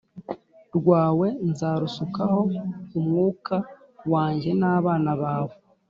rwawe nzarusukaho Umwuka wanjye n abana bawe